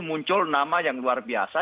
muncul nama yang luar biasa